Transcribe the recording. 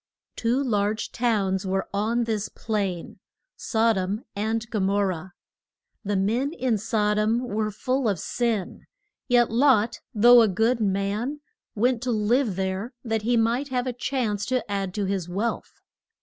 Two large towns were on this plain, Sod om and Go mor rah. The men in Sod om were full of sin, yet Lot, though a good man, went to live there that he might have a chance to add to his wealth.